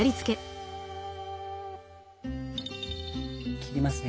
切りますね。